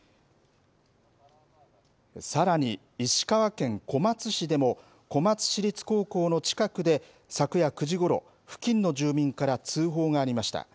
さらに、石川県小松市でも小松市立高校の近くで昨夜９時ごろ、付近の住民から通報がありました。